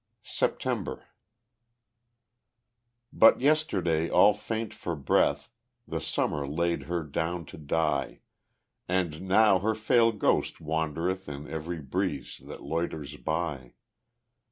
September But yesterday all faint for breath, The Summer laid her down to die; And now her frail ghost wandereth In every breeze that loiters by.